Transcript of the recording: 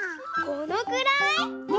このくらい！